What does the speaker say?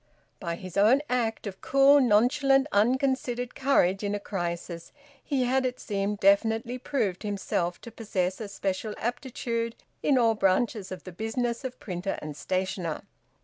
By his own act of cool, nonchalant, unconsidered courage in a crisis, he had, it seemed, definitely proved himself to possess a special aptitude in all branches of the business of printer and stationer.